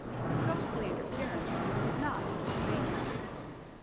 Ghostly interference did not dismay him.